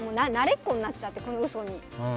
慣れっこになっちゃってこの嘘に。